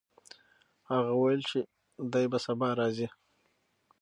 هغه وویل چې دی به سبا راځي.